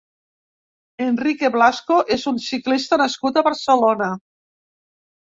Enrique Blasco és un ciclista nascut a Barcelona.